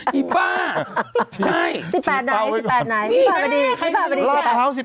ปีป้าวดี